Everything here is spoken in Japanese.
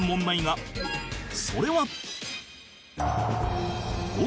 それは